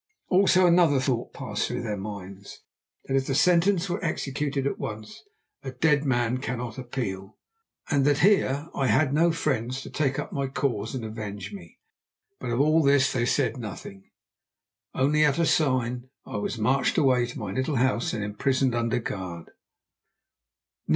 Also another thought passed through their minds—that if the sentence were executed at once, a dead man cannot appeal, and that here I had no friends to take up my cause and avenge me. But of all this they said nothing. Only at a sign I was marched away to my little house and imprisoned under guard.